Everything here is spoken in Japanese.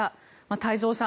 太蔵さん